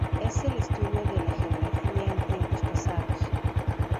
Es el estudio de la geografía en tiempos pasados.